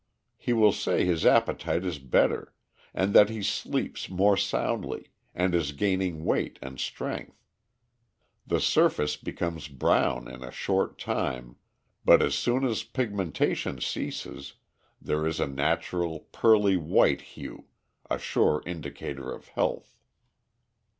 He will say his appetite is better, and that he sleeps more soundly, and is gaining weight and strength. The surface becomes brown in a short time, but as soon as pigmentation ceases, there is a natural, pearly white hue a sure indicator of health."